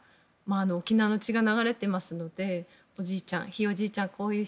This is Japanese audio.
沖縄の血が流れていますのでおじいちゃん、ひいおじいちゃん